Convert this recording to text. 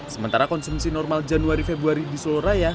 sementara konsumsi normal januari februari di solo raya